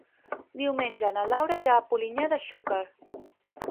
Diumenge na Laura irà a Polinyà de Xúquer.